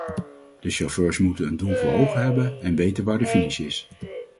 De chauffeurs moeten een doel voor ogen hebben en weten waar de finish is.